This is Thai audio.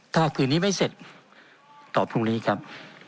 ถ้าคืนนี้ไม่เสร็จตอบพรุ่งนี้ครับ